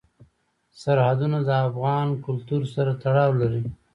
سرحدونه د افغان کلتور سره تړاو لري.